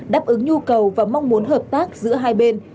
đáp ứng nhu cầu và mong muốn hợp tác giữa hai bên